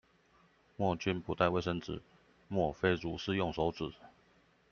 若君不帶衛生紙，莫非汝是用手指